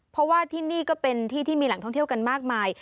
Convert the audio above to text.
เพราะว่าที่นี่ก็เป็นที่ที่มีแหล่งท่องเที่ยวกันมากมาย